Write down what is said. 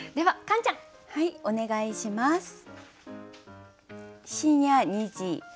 はいお願いします。